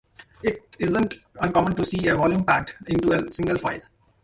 It isn't uncommon to see a volume packed into a single file.